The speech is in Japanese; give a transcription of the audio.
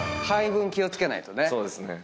配分気を付けないとね。